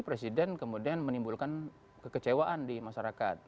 presiden kemudian menimbulkan kekecewaan di masyarakat